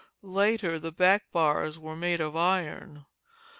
Later the back bars were made of iron.